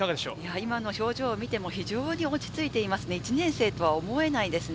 今の表情を見ても非常に落ち着いていて１年生とは思えないですね。